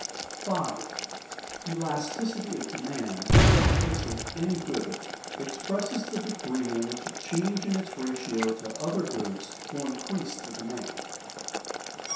[Sidenote: Elasticity of demand] 5. _Elasticity of demand, in the case of any good, expresses the degree in which a change in its ratio to other goods will increase the demand.